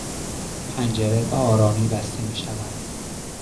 پنجره به آرامی بسته میشود.